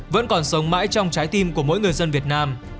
vẫn còn sống mãi trong trái tim của mỗi người dân việt nam